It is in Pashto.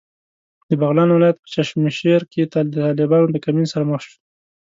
د بغلان ولایت په چشمشېر کې د طالبانو د کمین سره مخ شوو.